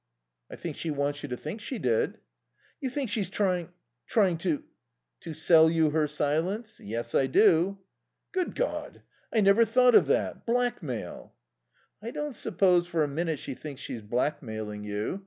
"I think she wants you to think she did." "You think she's trying trying to " "To sell you her silence? Yes, I do." "Good God! I never thought of that. Blackmail." "I don't suppose for a minute she thinks she's blackmailing you.